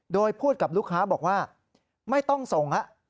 โดยพูดกับลูกค้าบอกว่าไม่ต้องส่งแล้ว